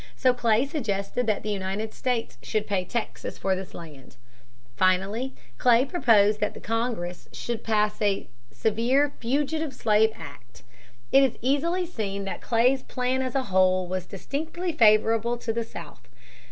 So Clay suggested that the United States should pay Texas for this land. Finally Clay proposed that Congress should pass a severe Fugitive Slave Act. It is easily seen that Clay's plan as a whole was distinctly favorable to the South.